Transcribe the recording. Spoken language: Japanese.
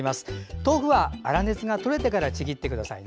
豆腐は粗熱がとれてからちぎってくださいね。